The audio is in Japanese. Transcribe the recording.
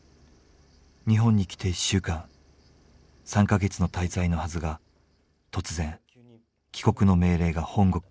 日本に来て１週間３か月の滞在のはずが突然帰国の命令が本国から届きます。